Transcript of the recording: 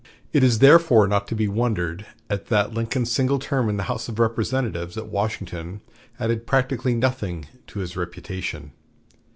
It is therefore not to be wondered at that Lincoln's single term in the House of Representatives at Washington added practically nothing to his reputation.